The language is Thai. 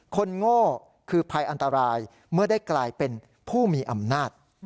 โง่คือภัยอันตรายเมื่อได้กลายเป็นผู้มีอำนาจ